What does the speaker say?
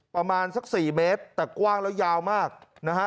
ประมาณสัก๔เมตรแต่กว้างแล้วยาวมากนะฮะ